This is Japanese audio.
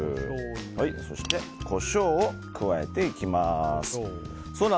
そしてコショウを加えていきます。